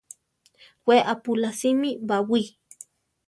We apulásimi baʼwí.